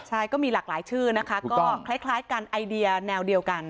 ใช่ก็มีหลากหลายชื่อนะคะก็คล้ายกันไอเดียแนวเดียวกัน